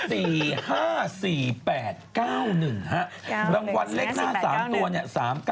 รางวัลเลขหน้า๓ตัวเนี่ย๓๙